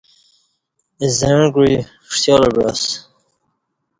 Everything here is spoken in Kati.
زعں کوعی ݜیالہ بعا س